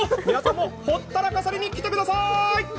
皆さんもほったらかされに来てください。